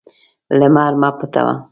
لمر مه پټوه.